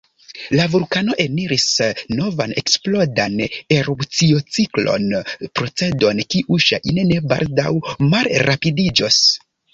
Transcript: La vulkano eniris novan eksplodan erupciociklon, procedon kiu ŝajne ne baldaŭ malrapidiĝos.